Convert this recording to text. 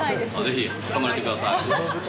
ぜひ、挟まれてください。